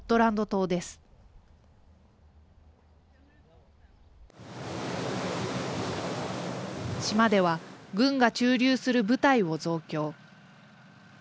島では軍が駐留する部隊を増強。